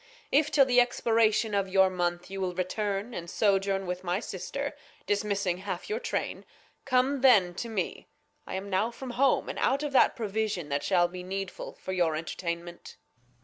If 'till the Expiration of your Month, You wUl return and sojourn with our Sister, Dismissing half your Train, come then to me ; I am now from Home, and out of that Provision That shall be needful for your Entertainment.